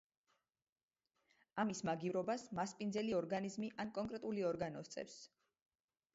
ამის მაგივრობას მასპინძელი ორგანიზმი ან კონკრეტული ორგანო სწევს.